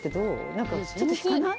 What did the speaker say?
何かちょっと引かない？